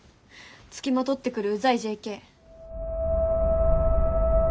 付きまとってくるうざいＪＫ。